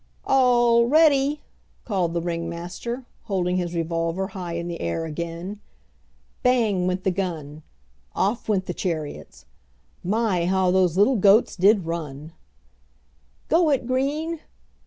"All ready!" called the ringmaster, holding his revolver high in the air again. Bang went the gun! Off went the chariots! My, how those little goats did run! "Go it, green!"